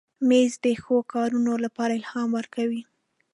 مېز د ښو کارونو لپاره الهام ورکوي.